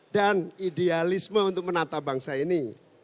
dan idealisme untuk menata bangsa ini